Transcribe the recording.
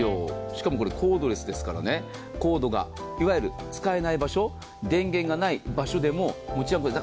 しかもこれ、コードレスですから、コードが使えない場所、電源がない場所でも持ち歩ける。